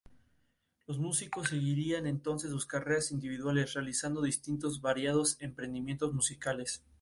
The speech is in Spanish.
Los músicos seguirían entonces sus carreras individuales, realizando distintos y variados emprendimientos musicales.